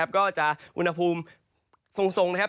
ก็จะอุณหภูมิทรงนะครับ